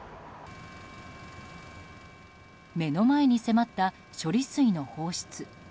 目の前に迫った処理水の放出。